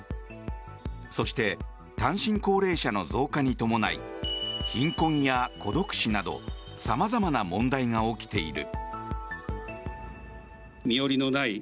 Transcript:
そして、単身高齢者の増加に伴い貧困や孤独死などさまざまな問題が起きている。